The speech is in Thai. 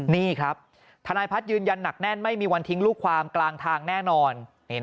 นี่ครับทนายพัฒน์ยืนยันหนักแน่นไม่มีวันทิ้งลูกความกลางทางแน่นอน